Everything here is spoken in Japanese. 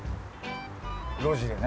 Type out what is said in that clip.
路地にね。